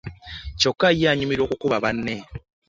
Kyokka ye anyumirwa kukuba banne.